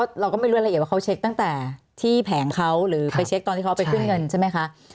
เราก็ไม่รู้รายละเอียดว่าเขาเช็คตั้งแต่ที่แผงเขาหรือไปเช็คตอนที่เขาไปขึ้นเงินใช่ไหมคะ